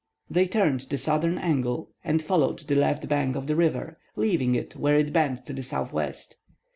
They turned the southern angle, and followed the left bank of the river, leaving it where it bent to the southwest.